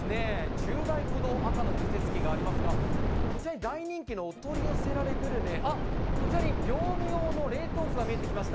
１０台ほど赤の除雪機がありますがこちらに大人気のお取り寄せられグルメ、あっ、こちらの業務用の冷凍庫が見えてきました。